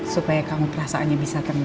supaya kamu perasaannya bisa tenang